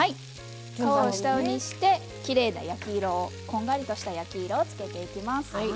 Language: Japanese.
皮を下にしてきれいな焼き色をこんがりした焼き色を付けていきます。